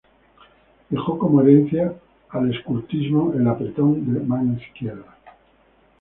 Dejó como herencia al escultismo, el apretón de mano izquierda.